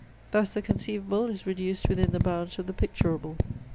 Thus the conceivable is reduced within the bounds of the picturable.